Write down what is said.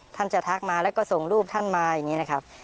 ท่านจะทักมาแล้วก็ส่งรูปท่านมาอย่างนี้นะครับ